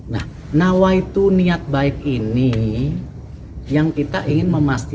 nah nah yaitu niat baik ini yang kita ingin memanfaatkan